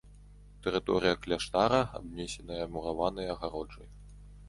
Тэрыторыя кляштара абнесеная мураванай агароджай.